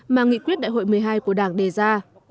mà nghị quyết đại hội một mươi hai của đảng đề ra